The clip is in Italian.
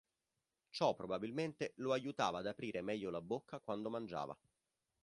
Ciò probabilmente lo aiutava ad aprire meglio la bocca quando mangiava.